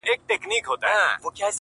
څه کيفيت دی چي حساب چي په لاسونو کي دی~